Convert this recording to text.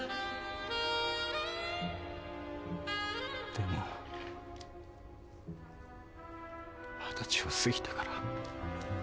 でも二十歳を過ぎてから。